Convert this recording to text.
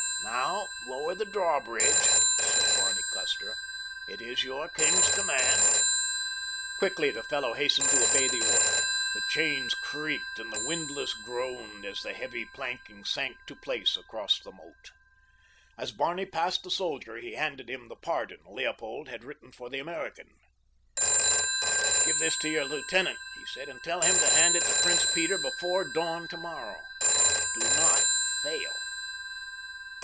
"Now, lower the drawbridge," said Barney Custer, "it is your king's command." Quickly the fellow hastened to obey the order. The chains creaked and the windlass groaned as the heavy planking sank to place across the moat. As Barney passed the soldier he handed him the pardon Leopold had written for the American. "Give this to your lieutenant," he said, "and tell him to hand it to Prince Peter before dawn tomorrow. Do not fail."